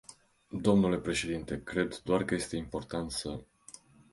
Dle președinte, cred doar că este important să...